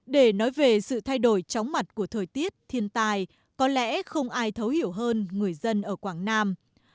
để nói về sự thay đổi chóng mặt của thời tiết thiên tài có lẽ không ai thấu hiểu hơn người dân ở quảng nam